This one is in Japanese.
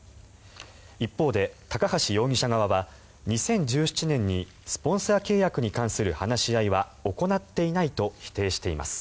一方で高橋容疑者側は２０１７年にスポンサー契約に関する話し合いは行っていないと否定しています。